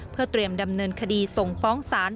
เพื่อเตรียมดำเนินคดีส่งฟ้องศาล